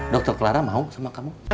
dokter clara mau sama kamu